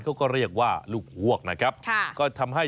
และกลายท่องแล